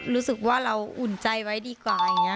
รู้สึกว่าเราอุ่นใจไว้ดีกว่าอย่างนี้